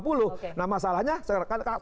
oleh kepolisian ada pasal